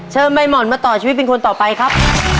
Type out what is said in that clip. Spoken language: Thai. ใบห่อนมาต่อชีวิตเป็นคนต่อไปครับ